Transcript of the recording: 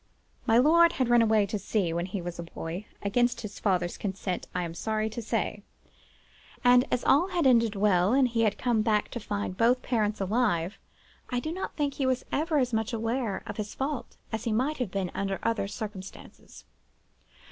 (My lord had run away to sea, when a boy, against his father's consent, I am sorry to say; and, as all had ended well, and he had come back to find both his parents alive, I do not think he was ever as much aware of his fault as he might have been under other circumstances.)